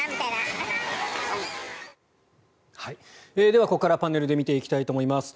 では、ここからパネルで見ていきたいと思います。